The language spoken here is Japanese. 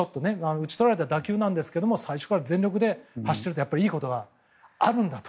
打ち取られた打球ですが最初から全力で走るといいことがあるんだと。